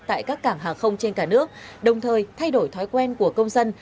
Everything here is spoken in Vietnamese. tại các cảng hàng không trên cả nước đồng thời thay đổi thói quen của công dân